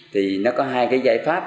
thì nó có hai cái giải pháp